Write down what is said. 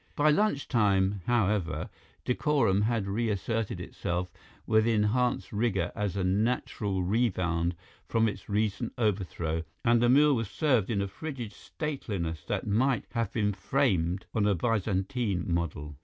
By lunch time, however, decorum had reasserted itself with enhanced rigour as a natural rebound from its recent overthrow, and the meal was served in a frigid stateliness that might have been framed on a Byzantine model.